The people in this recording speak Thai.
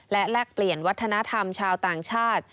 และแลกเปลี่ยนวัฒนธรรมชาวต่างชาติ